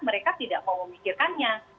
mereka tidak mau memikirkannya